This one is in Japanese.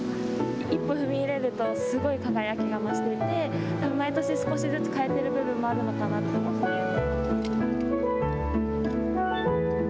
一歩踏み入れるとすごく輝きが増していて毎年、少しずつ変えてる部分もあるのかなと思って。